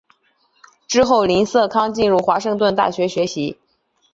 之后林瑟康进入华盛顿大学学习。